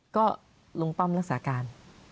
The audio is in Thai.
ก็ลุงป้อมรักษาการ